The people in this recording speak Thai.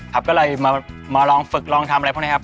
ครับก็เลยมาลองฝึกลองทำอะไรพวกนี้ครับ